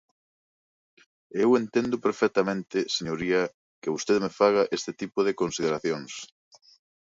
E eu entendo perfectamente, señoría, que vostede me faga este tipo de consideracións.